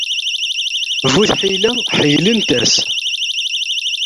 Bu tḥila, ḥeyylent-as.